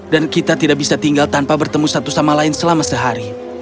dan kita tidak bisa tinggal tanpa bertemu satu sama lain selama sehari